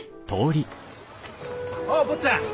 おう坊ちゃん！